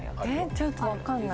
ちょっと分かんない。